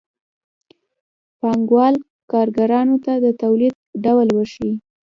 پانګوال کارګرانو ته د تولید ډول ورښيي